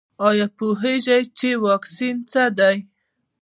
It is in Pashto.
ایا پوهیږئ چې واکسین څه دی؟